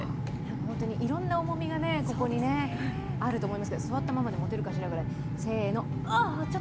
本当にいろんな重みがここにあると思いますけど、座ったままで持てるかしらくらい。